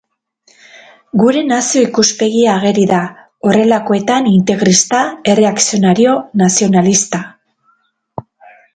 Gure nazio ikuspegia ageri da, horrelakoetan, integrista, erreakzionario, nazionalista.